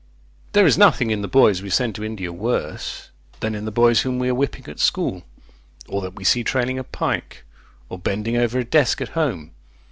There is nothing in the boys we send to India worse, than in the boys whom we are whipping at school, or that we see trailing a pike, or bending over a desk at home.